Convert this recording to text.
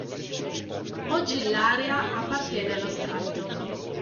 Oggi l'area appartiene allo Stato.